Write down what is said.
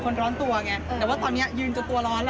ร้อนตัวไงแต่ว่าตอนนี้ยืนจนตัวร้อนแล้ว